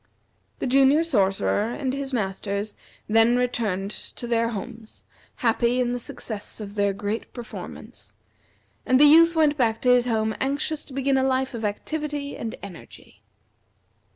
The Junior Sorcerer and his Masters then returned to their homes, happy in the success of their great performance; and the Youth went back to his home anxious to begin a life of activity and energy.